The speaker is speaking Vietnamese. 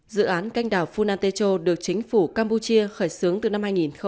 dự án canh đảo funantecho được chính phủ campuchia khởi xướng từ năm hai nghìn hai mươi hai